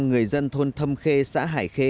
người dân thôn thâm khê xã hải khê